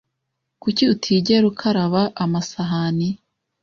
Kuki utigera ukaraba amasahani?